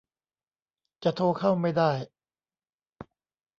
จะโทรเข้าไม่ได้